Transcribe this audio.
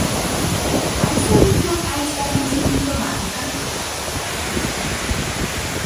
Hai solución a esta crise diplomática?